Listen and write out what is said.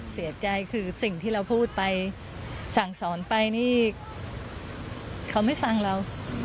เสียใจคือสิ่งที่เราพูดไปสั่งสอนไปนี่เขาไม่ฟังเรา